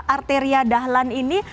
arteria dahlan ini